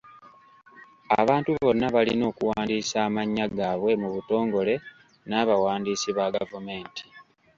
Abantu bonna balina okuwandiisa amannya gaabwe mu butongole n'abawandiisi ba gavumenti.